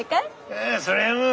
ああそりゃもう。